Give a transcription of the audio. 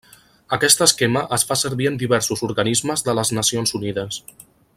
Aquest esquema es fa servir en diversos organismes de les Nacions Unides.